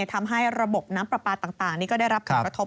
ทำให้ระบบน้ำปลาปลาต่างนี่ก็ได้รับผลกระทบ